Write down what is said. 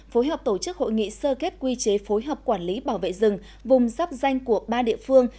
phối hợp tổ chức hội nghị sơ kết quy chế phối hợp quản lý bảo vệ rừng vùng giáp danh của ba địa phương